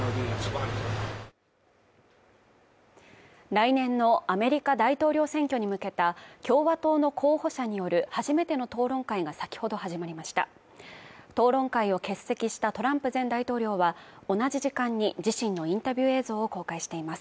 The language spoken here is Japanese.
来年のアメリカ大統領選挙に向けた共和党の候補者による初めての討論会が先ほど始まりました討論会を欠席したトランプ前大統領は同じ時間に自身のインタビュー映像を公開しています